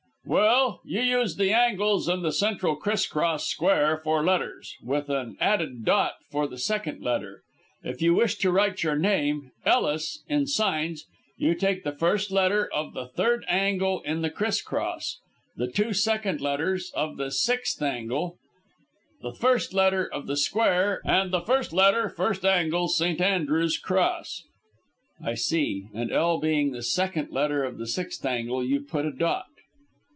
"Well, you use the angles and the central criss cross square for letters, with an added dot for the second letter. If you wish to write your name, 'Ellis,' in signs, you take the first letter of the third angle in the criss cross, the two second letters of the sixth angle; the first letter of the square, and the first letter first angle St. Andrew's cross." "I see, and 'L' being the second letter of the sixth angle you put a dot."